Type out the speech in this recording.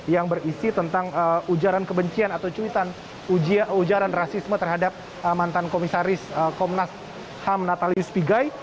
yang berisi tentang ujaran kebencian atau cuitan ujaran rasisme terhadap mantan komisaris komnas ham natalius pigai